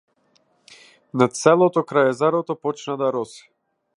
Над селото крај езерото почна да роси.